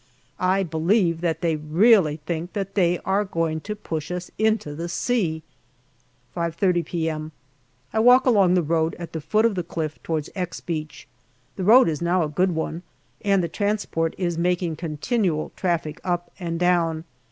I believe that they really think that they are going to push us into the sea. 5.30 p.m. I walk along the road at the foot of the cliff towards " X " Beach. The road is now a good one, and the trans port is making continual traffic up and down.